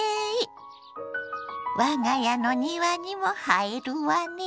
我が家の庭にも映えるわね。